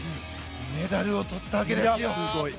メダルをとったわけですよ。